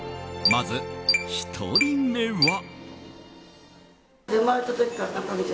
まず１人目は。